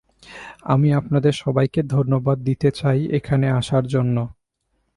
আমি আপনাদের সবাইকে ধন্যবাদ দিতে চাই এখানে আসার জন্য।